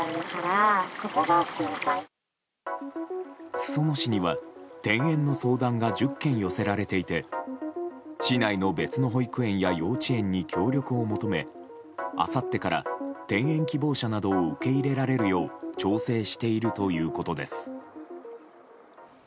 裾野市には転園の相談が１０件寄せられていて市内の別の保育園や幼稚園に協力を求めあさってから転園希望者などを受け入れられるよう調整しているということです。